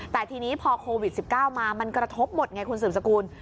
แต่ทีนี้พอโควิด๑๙มามันกระทบหมดไงคุณสืบสกุล